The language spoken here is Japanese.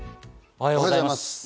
おはようございます。